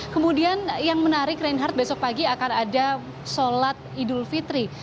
kemudian yang menarik reinhardt besok pagi akan ada sholat idul fitri